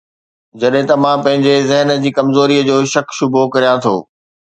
جڏهن ته مان پنهنجي ذهن جي ڪمزوريءَ جو شڪ شبهو ڪريان ٿو